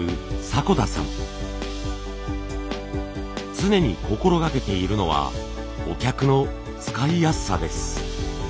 常に心がけているのはお客の使いやすさです。